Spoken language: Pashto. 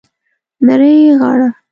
نرۍ غاړه